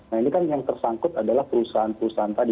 nah ini kan yang tersangkut adalah perusahaan perusahaan tadi